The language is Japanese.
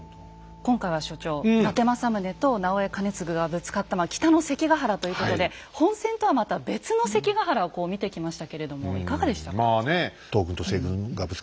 今回は所長伊達政宗と直江兼続がぶつかった北の関ヶ原ということで本戦とはまた別の関ヶ原をこう見てきましたけれどもいかがでしたか？